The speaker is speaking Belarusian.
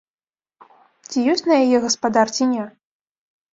Ці ёсць на яе гаспадар, ці не?